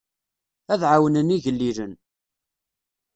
Ad ɛawnen igellilen.